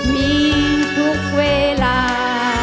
มีทุกเวลา